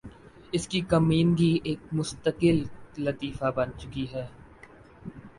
اس کی کمینگی ایک مستقل لطیفہ بن چکی ہے